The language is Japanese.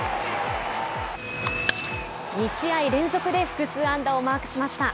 ２試合連続で複数安打をマークしました。